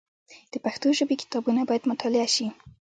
د پښتو ژبي کتابونه باید مطالعه سي.